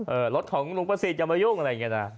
รถของลุงประสิทธิอย่ามายุ่งอะไรอย่างนี้นะ